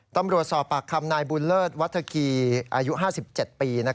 ตำรวจศาลปากคำนายบูลเลิศวัตกี้อายุห้าสิบเจ็ดปี